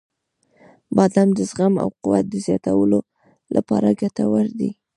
• بادام د زغم او قوت د زیاتولو لپاره ګټور دی.